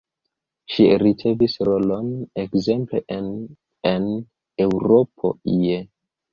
Ŝi ricevis rolon ekzemple en En Eŭropo ie.